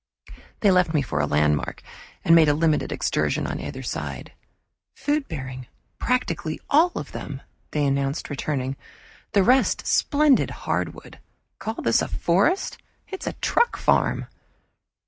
They left me for a landmark and made a limited excursion on either side. "Food bearing, practically all of them," they announced returning. "The rest, splendid hardwood. Call this a forest? It's a truck farm!"